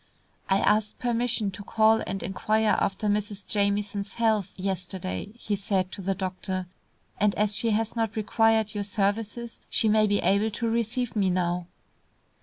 "I asked permission to call and inquire after Mrs. Jamieson's health, yesterday," he said to the doctor, "and as she has not required your services she may be able to receive me now."